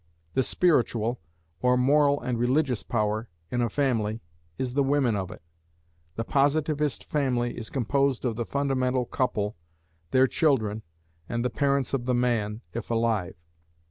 The spiritual, or moral and religious power, in a family, is the women of it. The positivist family is composed of the "fundamental couple," their children, and the parents of the man, if alive.